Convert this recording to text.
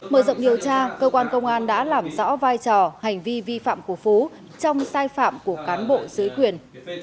mở rộng điều tra cơ quan công an đã làm rõ vai trò hành vi vi phạm của phú trong sai phạm của cán bộ dưới quyền